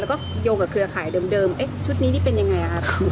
แล้วก็โยกกับเครือข่ายเดิมเอ๊ะชุดนี้นี่เป็นอย่างไรฮะ